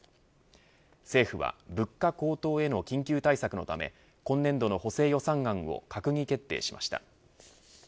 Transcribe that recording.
政府は物価高騰への緊急対策のため今年度の補正予算案を閣議決定しました。